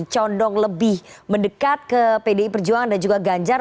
condong lebih mendekat ke pdi perjuangan dan juga ganjar